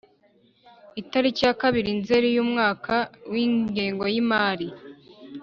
itariki ya kabiri Nzeri y umwaka w ingengo y imari